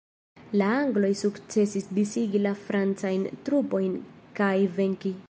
La angloj sukcesis disigi la francajn trupojn kaj venki.